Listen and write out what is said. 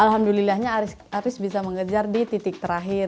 alhamdulillahnya aris bisa mengejar di titik terakhir